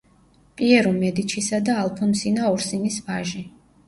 პიერო მედიჩისა და ალფონსინა ორსინის ვაჟი.